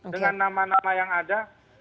dengan nama nama yang ada